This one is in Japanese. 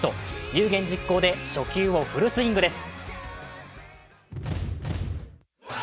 有言実行で初球をフルスイングです。